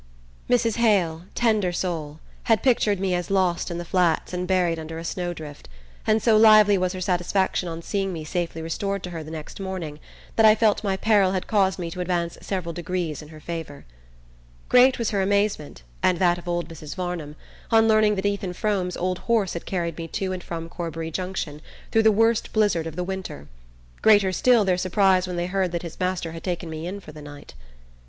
Mrs. Hale, tender soul, had pictured me as lost in the Flats and buried under a snow drift; and so lively was her satisfaction on seeing me safely restored to her the next morning that I felt my peril had caused me to advance several degrees in her favour. Great was her amazement, and that of old Mrs. Varnum, on learning that Ethan Frome's old horse had carried me to and from Corbury Junction through the worst blizzard of the winter; greater still their surprise when they heard that his master had taken me in for the night.